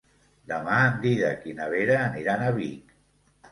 Demà en Dídac i na Vera aniran a Vic.